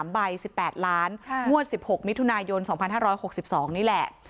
๓ใบ๑๘ล้านงวด๑๖มิถุนายน๒๕๖๒นี่แหละ